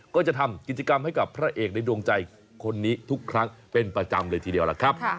ก็จะทำกิจกรรมให้กับพระเอกในดวงใจคนนี้ทุกครั้งเป็นประจำเลยทีเดียวล่ะครับ